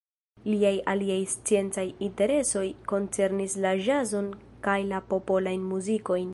Liaj aliaj sciencaj interesoj koncernis la ĵazon kaj la popolajn muzikojn.